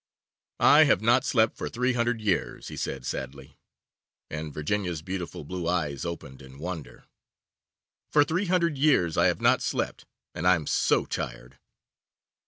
'I have not slept for three hundred years,' he said sadly, and Virginia's beautiful blue eyes opened in wonder; 'for three hundred years I have not slept, and I am so tired.